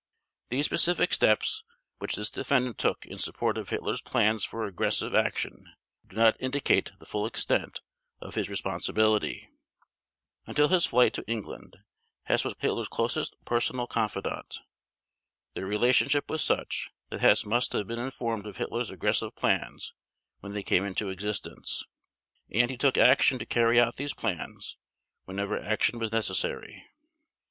These specific steps which this defendant took in support of Hitler's plans for aggressive action do not indicate the full extent of his responsibility. Until his flight to England, Hess was Hitler's closest personal confidant. Their relationship was such that Hess must have been informed of Hitler's aggressive plans when they came into existence. And he took action to carry out these plans whenever action was necessary.